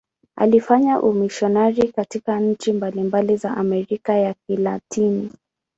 Alifanya umisionari katika nchi mbalimbali za Amerika ya Kilatini.